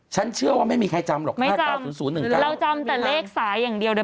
ฉันเชื่อว่าไม่มีใครจำหรอก๕๙๐๑๙ไม่จำเราจำแต่เลขสายละกายมีแล้ว